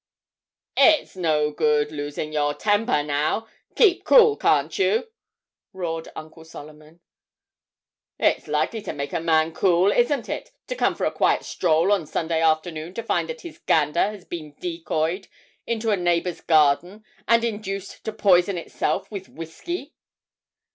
'It's no good losing your temper, now keep cool, can't you?' roared Uncle Solomon. 'It's likely to make a man cool, isn't it? to come for a quiet stroll on Sunday afternoon, and find that his gander has been decoyed into a neighbour's garden and induced to poison itself with whisky?'